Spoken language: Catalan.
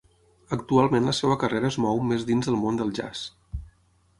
Actualment la seva carrera es mou més dins del món del jazz.